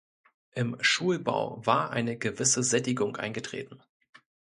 Im Schulbau war eine gewisse Sättigung eingetreten.